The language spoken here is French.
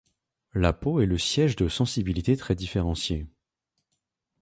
La peau est le siège de sensibilités très différenciées.